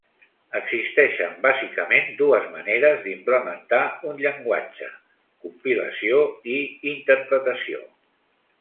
Existeixen bàsicament dues maneres d'implementar un llenguatge: compilació i interpretació.